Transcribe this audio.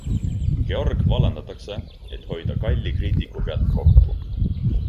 Georg vallandatakse, et hoida kalli kriitiku pealt kokku.